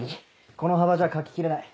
この幅じゃ書き切れない。